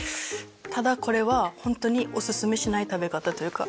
ただこれはホントにオススメしない食べ方というか。